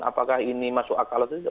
apakah ini masuk akal atau tidak